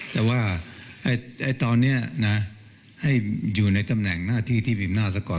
แต่ว่าตอนนี้ให้อยู่ในตำแหน่งหน้าที่ปีนหน้าต่อก่อน